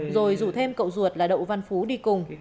rồi rủ thêm cậu ruột là đậu văn phú đi cùng